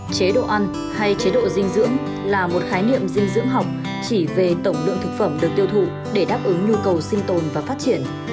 chế độ ăn hay chế độ dinh dưỡng là một khái niệm dinh dưỡng học chỉ về tổng lượng thực phẩm được tiêu thụ để đáp ứng nhu cầu sinh tồn và phát triển